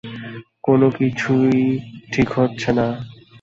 কোনোকিছুই ঠিক হচ্ছে না।